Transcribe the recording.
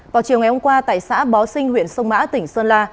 vào chiều ngày hôm qua tại xã bó sinh huyện sông mã tỉnh sơn la